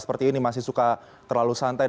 seperti ini masih suka terlalu santai